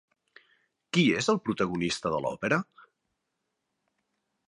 Qui és el protagonista de l'òpera?